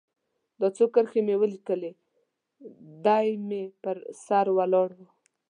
دا څو کرښې مې ولیکلې، دی مې پر سر ولاړ و.